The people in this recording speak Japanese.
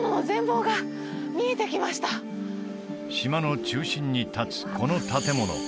島の中心に立つこの建物